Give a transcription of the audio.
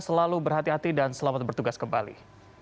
selalu berhati hati dan selamat bertugas kembali